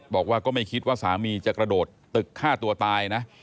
บอกว่าก็ไม่คิดว่าสามีจะกระโดดตึกฆ่าตัวตายนะ